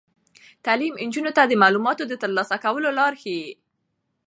تعلیم نجونو ته د معلوماتو د ترلاسه کولو لار ښيي.